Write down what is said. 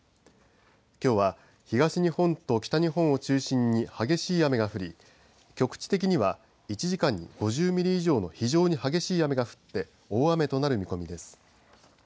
きょうは東日本と北日本を中心に激しい雨が降り局地的には１時間に５０ミリ以上の非常に激しい雨が降って大雨となる見込みです。